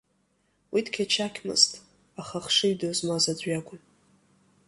Уи дқьачақьмызт, аха ахшыҩ ду змаз аӡә иакәын.